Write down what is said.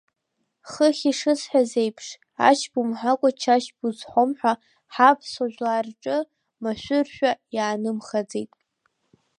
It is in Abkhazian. Хыхь ишысҳәаз аиԥш, Ачба умҳәакәа Чачба узҳәом ҳәа ҳаԥсуа жәлар рҿы машәыршәа иаанымхаӡеит.